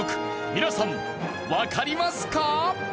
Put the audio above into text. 皆さんわかりますか？